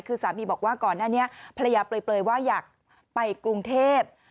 คือสามีบอกว่าก่อนหน้านี้ภรรยาเปลยว่าอยากไปกรุงเทพ